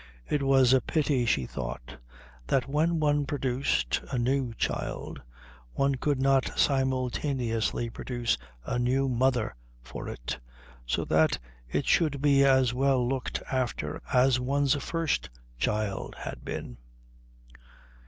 It was a pity, she thought, that when one produced a new child one could not simultaneously produce a new mother for it, so that it should be as well looked after as one's first child had been.